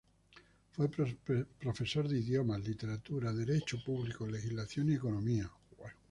Fue profesor de idiomas, literatura, derecho público, legislación y economía.